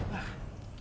kan kanjeng sunan